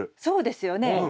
そうですよね。